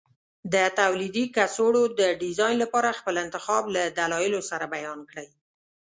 د تولیدي کڅوړو د ډیزاین لپاره خپل انتخاب له دلایلو سره بیان کړئ.